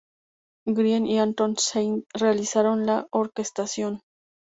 Grieg y Anton Seidl realizaron la orquestación.